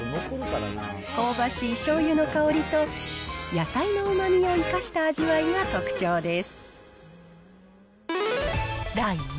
香ばしいしょうゆの香りと、野菜のうまみを生かした味わいが特徴です。